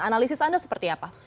analisis anda seperti apa